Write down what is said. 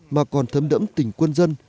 mà còn thấm đẫm tình quân dân